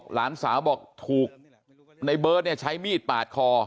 หลานสาวบอกถูกในเบิร์ตใช้มีดปาดคอ